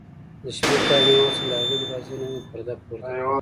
د شپې کالي مې واغوستل، له هغې دروازې نه مې پرده پورته کړل.